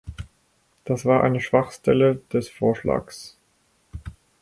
Das war eine Schwachstelle des Vorschlags.